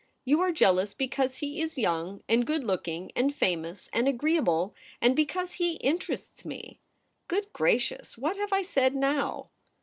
You are jealous because he is young and good looking, and famous and agreeable, and because he inter ests me. ... Good gracious ! What have I said now